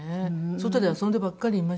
外で遊んでばっかりいましたよ